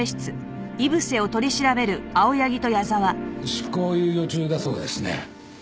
執行猶予中だそうですね。